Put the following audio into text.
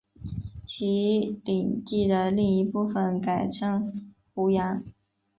其领地的另一部分改称湖阳。